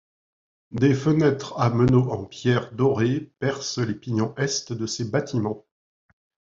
Des fenêtres à meneaux en pierre dorée percent les pignons est de ces bâtiments.